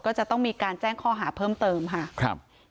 ก็จะต้องมีการแจ้งข้อหาเพิ่มเติมค่ะครับ